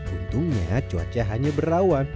untungnya cuaca hanya berawan